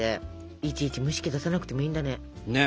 いちいち蒸し器出さなくてもいいんだね。ね！